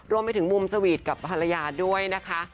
รวมไปถึงมุมสวีทกับภรรยาด้วยนะคะ